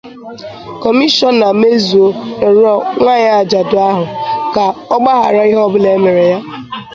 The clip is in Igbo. Kọmishọna Mezue rịọrọ nwaanyị ajadụ ahụ ka ọ gbaghàra ihe ọbụla e mere ya